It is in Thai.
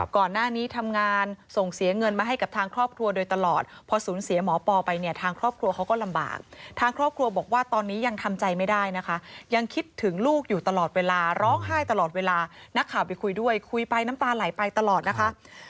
ก่อนหน้านี้ทำงานส่งเสียเงินมาให้กับทางครอบครัวโดยตลอดพอสูญเสียหมอปอไปเนี่ยทางครอบครัวเขาก็ลำบากทางครอบครัวบอกว่าตอนนี้ยังทำใจไม่ได้นะคะยังคิดถึงลูกอยู่ตลอดเวลาร้องไห้ตลอดเวลานักข่าวไปคุยด้วยคุยไปน้ำตาไหลไปตลอดนะคะ